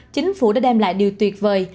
chính phủ đã đem lại điều tuyệt vời